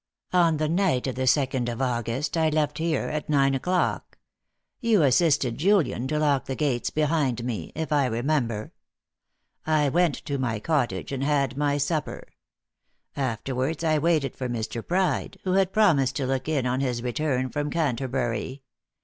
"On the night of the second of August I left here at nine o'clock. You assisted Julian to lock the gates behind me, if I remember. I went to my cottage and had my supper. Afterwards I waited for Mr. Pride, who had promised to look in on his return from Canterbury.